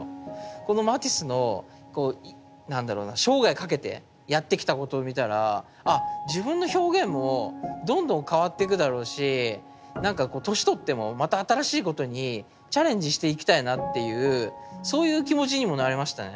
このマティスのこう何だろうな生涯かけてやってきたことを見たらあ自分の表現もどんどん変わっていくだろうしなんかこう年取ってもまた新しいことにチャレンジしていきたいなっていうそういう気持ちにもなれましたね。